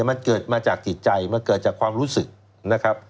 มันเกิดมาจากจิตใจมันเกิดจากความรู้สึกนะครับ